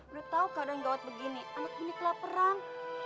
udah tau keadaan gawat begini anak ini kelaperan